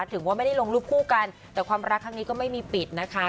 ถึงว่าไม่ได้ลงรูปคู่กันแต่ความรักครั้งนี้ก็ไม่มีปิดนะคะ